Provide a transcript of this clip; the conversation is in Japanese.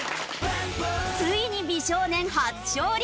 ついに美少年初勝利！